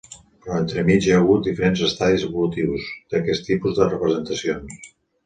Però entremig hi ha hagut diferents estadis evolutius d'aquest tipus de representacions.